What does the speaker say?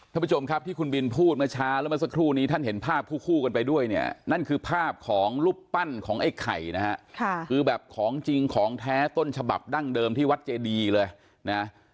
ท่านผู้ชมครับที่คุณบินพูดเมื่อเช้าแล้วเมื่อสักครู่นี้ท่านเห็นภาพคู่กันไปด้วยเนี่ยนั่นคือภาพของรูปปั้นของไอ้ไข่นะฮะคือแบบของจริงของแท้ต้นฉบับดั้งเดิมที่วัดเจดีเลยนะ